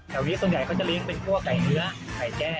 บัญชีส่วนใหญ่เขาจะเลี้ยงเป็นกรั้งขายเนื้อไก่แจ้